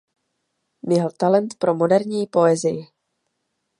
Měl talent pro moderní poezii.